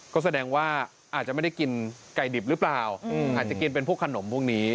ก็แสดงว่าอาจจะไม่ได้กินไก่ดิบหรือเปล่าอาจจะกินเป็นพวกขนมพวกนี้